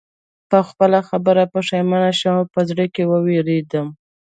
په خپله خبره پښېمانه شوم او په زړه کې ووېرېدم